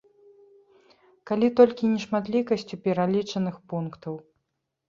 Калі толькі нешматлікасцю пералічаных пунктаў.